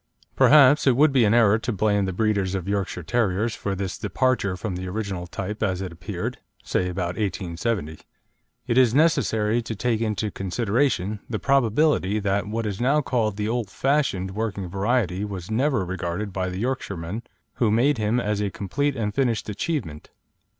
Perhaps it would be an error to blame the breeders of Yorkshire Terriers for this departure from the original type as it appeared, say, about 1870. It is necessary to take into consideration the probability that what is now called the old fashioned working variety was never regarded by the Yorkshiremen who made him as a complete and finished achievement.